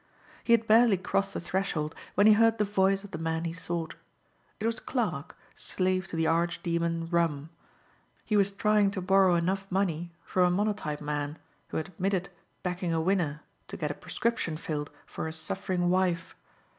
He had barely crossed the threshold when he heard the voice of the man he sought. It was Clarke, slave to the archdemon rum. He was trying to borrow enough money from a monotype man, who had admitted backing a winner, to get a prescription filled for a suffering wife.